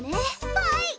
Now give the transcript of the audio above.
はい！